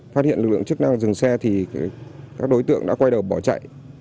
phát hiện lực lượng chức năng dừng xe thì các đối tượng đã quay đầu bỏ chạy